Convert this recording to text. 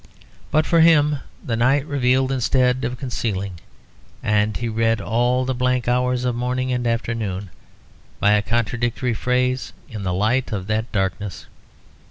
But for him the night revealed instead of concealing, and he read all the blank hours of morning and afternoon, by a contradictory phrase, in the light of that darkness.